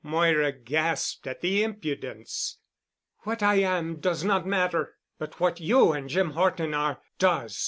Moira gasped at the impudence. "What I am does not matter, but what you and Jim Horton are, does.